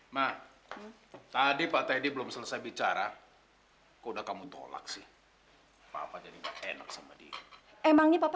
nah tadi pak teddy belum selesai bicara udah kamu tolak sih papa jadi enak sama dia emangnya papa